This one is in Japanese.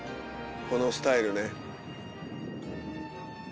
このスタイルね。